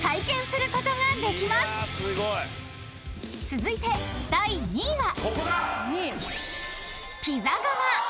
［続いて第２位は］